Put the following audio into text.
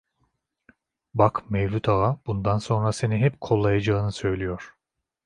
Bak Mevlüt Ağa bundan sonra seni hep kollayacağını süylüyor.